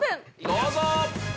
どうぞ！